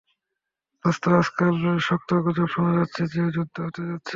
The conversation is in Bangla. দোস্ত, আজকাল শক্ত গুজব শোনা যাচ্ছে যে যুদ্ধ হতে যাচ্ছে।